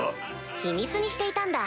秘密にしていたんだ。